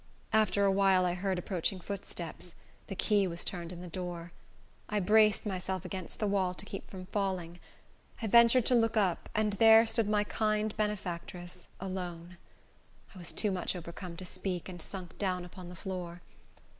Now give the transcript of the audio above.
After a while I heard approaching footsteps; the key was turned in my door. I braced myself against the wall to keep from falling. I ventured to look up, and there stood my kind benefactress alone. I was too much overcome to speak, and sunk down upon the floor.